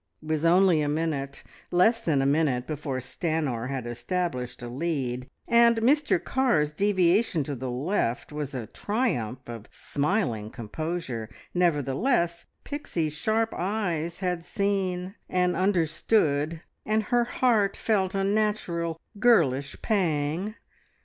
It was only a minute, less than a minute, before Stanor had established a lead, and Mr Carr's deviation to the left was a triumph of smiling composure; nevertheless, Pixie's sharp eyes had seen and understood, and her heart felt a natural girlish pang.